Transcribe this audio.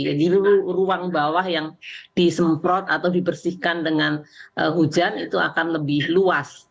jadi ruang bawah yang disemprot atau dibersihkan dengan hujan itu akan lebih luas